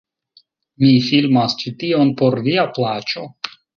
Mi filmas ĉi tion por via plaĉo...